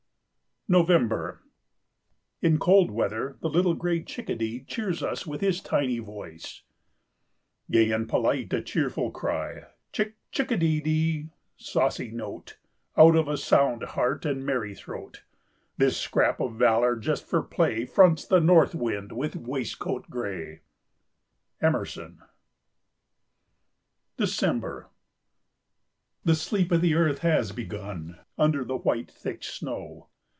November. In cold weather the little gray Chickadee cheers us with his "tiny voice"— "Gay and polite, a cheerful cry, Chick chickadedee! Saucy note, Out of sound heart and merry throat! This scrap of valor, just for play, Fronts the north wind with waistcoat gray." —Emerson. December. The sleep of the earth has begun under the white, thick snow.